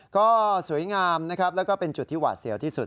ก็สวยงามนะครับแล้วก็เป็นจุดที่หวาดเสียวที่สุด